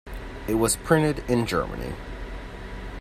It was printed in Germany.